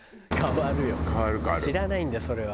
知らないんだそれは。